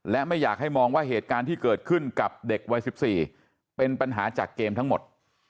และไม่อยากให้มองว่าเหตุการณ์ที่เกิดขึ้นกับเด็กวัย๑๔เป็นปัญหาจากเกมทั้งหมด